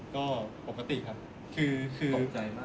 ก็ปกติครับคือคือ